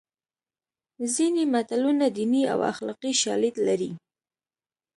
ځینې متلونه دیني او اخلاقي شالید لري